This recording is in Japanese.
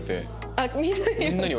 あっみんなに？